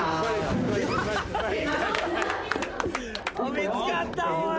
見つかったおい。